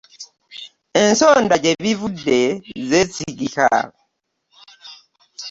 Ensonda gye bivudde zeesigika.